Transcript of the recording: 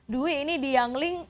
dwi ini di yangling